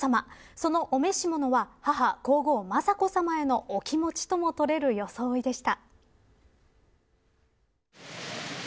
そのお召し物は母、皇后、雅子さまへのお気持ちともとれる装いでした。